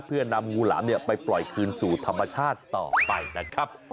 เพื่อนำงูหลามไปปล่อยคืนสู่ธรรมชาติต่อไปนะครับ